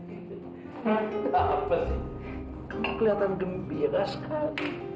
kamu kelihatan gembira sekali